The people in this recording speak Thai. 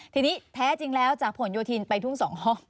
ทีนี้แท้จริงแล้วจากผลโยธินไปทุ่ง๒ห้อง